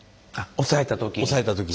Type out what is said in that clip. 押さえた時に。